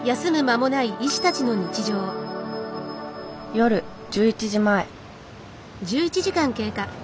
夜１１時前。